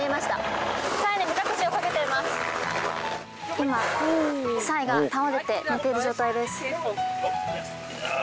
今サイが倒れて寝ている状態です。